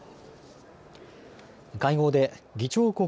会合で議長国